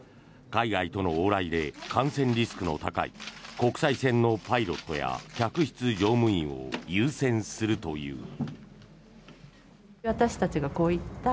海外との往来で感染リスクの高い国際線のパイロットや客室乗務員を優先するという。